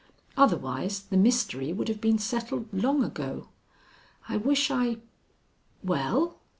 Otherwise the mystery would have been settled long ago. I wish I " "Well?"